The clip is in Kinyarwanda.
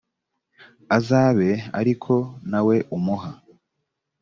azabe ari ko nawe umuha.